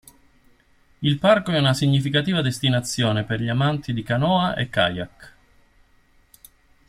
Il parco è una significativa destinazione per gli amanti di canoa e kayak.